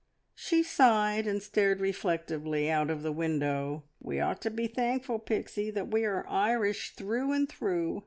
She sighed, and stared reflectively out of the window. "We ought to be thankful, Pixie, that we are Irish through and through.